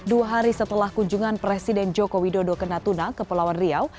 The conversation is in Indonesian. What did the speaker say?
dua hari setelah kunjungan presiden joko widodo kena tuna ke pulau riau